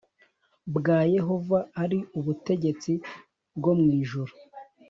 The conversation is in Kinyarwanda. bwa yehova ari ubutegetsi bwo mu ijuru